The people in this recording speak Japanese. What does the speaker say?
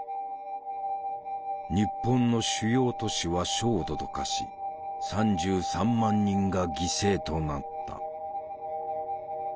日本の主要都市は焦土と化し３３万人が犠牲となった。